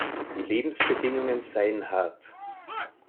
Die Lebensbedingungen seien hart.